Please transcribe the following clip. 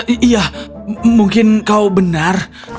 iya mungkin kau benar